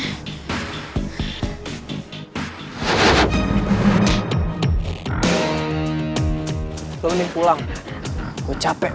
aduh lagi nungguin siapa tuh